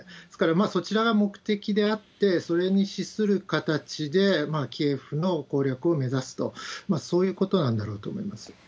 ですから、そちらが目的であって、それに資する形でキエフの攻略を目指すと、そういうことなんだろうと思います。